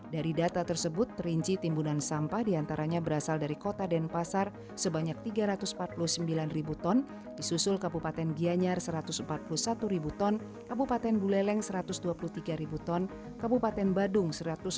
dari data tersebut terinji timbunan sampah diantaranya berasal dari kota denpasar sebanyak tiga ratus empat puluh sembilan ribu ton disusul kabupaten gianyar satu ratus empat puluh satu ribu ton kabupaten buleleng satu ratus dua puluh tiga ribu ton kabupaten badung satu ratus empat puluh